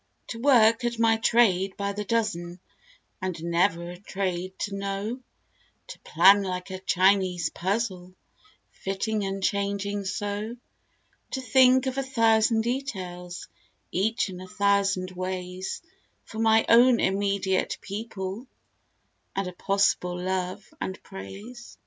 To work at my trade by the dozen and never a trade to know; To plan like a Chinese puzzle fitting and changing so; To think of a thousand details, each in a thousand ways; For my own immediate people and a possible love and praise.